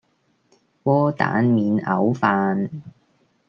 窩蛋免牛飯